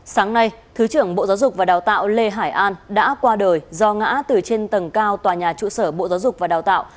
sáng nay thứ trưởng bộ giáo dục và đào tạo lê hải an đã qua đời do ngã từ trên tầng cao tòa nhà trụ sở bộ giáo dục và đào tạo